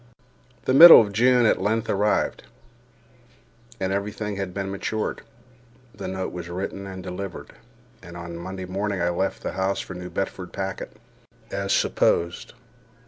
The middle of June at length arrived, and every thing had been matured. The note was written and delivered, and on a Monday morning I left the house for the New Bedford packet, as supposed.